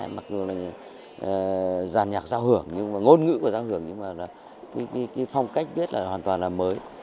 mặc dù là giàn nhạc giao hưởng nhưng mà ngôn ngữ của giao hưởng nhưng mà là cái phong cách viết là hoàn toàn là mới